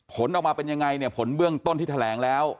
ผลออกมาเป็นยังไงเนี่ยผลเบื้องต้นที่แถลงแล้ว